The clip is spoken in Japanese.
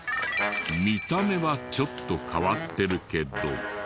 見た目はちょっと変わってるけど。